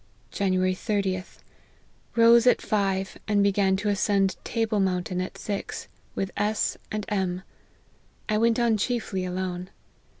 " January Wth. Rose at five, and began to as cend Table mountain at six, with S and M ; I went on chiefly alone.